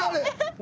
何？